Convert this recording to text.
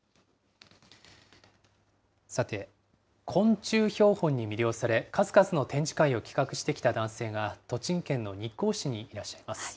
さて、昆虫標本に魅了され、数々の展示会を企画してきた男性が、栃木県の日光市にいらっしゃいます。